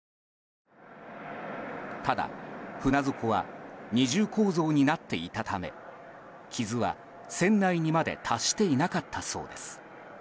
ただ、船底は二重構造になっていたため傷は船内にまで達していなかったそうです。